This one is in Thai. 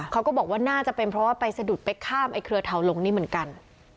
เขาก็บอกว่าน่าจะเป็นเพราะว่าไปสะดุดไปข้ามไอเครือเทาลงนี่เหมือนกัน